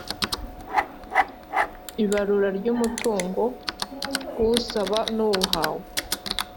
y ibarura ry umutungo w usaba n uwahawe